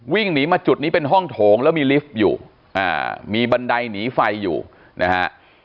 วิ่งหนีมาจุดนี้เป็นห้องโถงแล้วมีลิฟต์อยู่อ่ามีบันไดหนีไฟอยู่นะฮะ